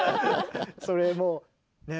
それもうね。